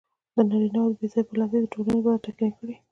د نارینهوو بې ځایه برلاسي د ټولنې وده ټکنۍ کړې.